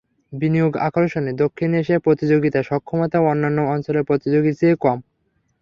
বিনিয়োগ আকর্ষণে দক্ষিণ এশিয়ার প্রতিযোগিতা সক্ষমতা অন্যান্য অঞ্চলের প্রতিযোগীর চেয়ে কম।